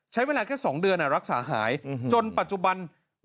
ใช้เวลาแค่๒เดือนรักษาหายจนปัจจุบัน